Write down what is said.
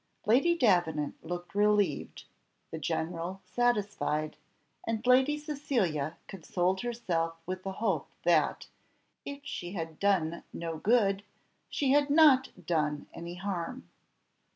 Lady Davenant looked relieved, the general satisfied, and Lady Cecilia consoled herself with the hope that, if she had done no good, she had not done any harm.